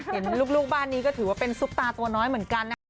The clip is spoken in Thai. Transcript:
เห็นลูกบ้านนี้ก็ถือว่าเป็นซุปตาตัวน้อยเหมือนกันนะคะ